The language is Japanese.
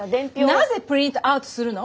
なぜプリントアウトするの？